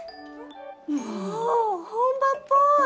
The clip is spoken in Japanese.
おお本場っぽい！